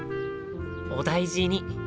「お大事に」